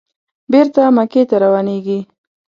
بېرته مکې ته روانېږي.